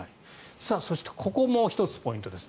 そしてここも１つポイントです。